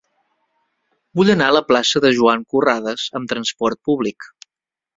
Vull anar a la plaça de Joan Corrades amb trasport públic.